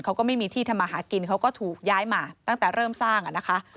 เขาก็ไม่มีที่ทำมาหากินเขาก็ถูกย้ายมาตั้งแต่เริ่มสร้างนะคะ